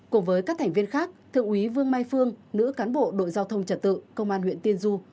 cùng với các thành viên khác thượng úy vương mai phương nữ cán bộ đội giao thông trật tự công an huyện tiên du